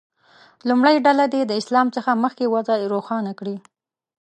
لومړۍ ډله دې د اسلام څخه مخکې وضع روښانه کړي.